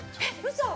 嘘！